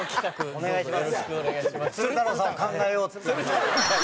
お願いします。